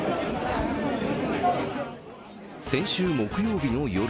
先週木曜日の夜。